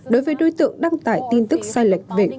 đối với đối tượng đăng tải tin tức sai lệch về quân sự